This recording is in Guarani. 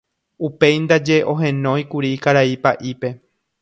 Upéi ndaje ohenóikuri karai pa'ípe.